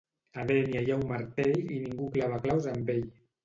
A Dénia hi ha un martell i ningú clava claus amb ell.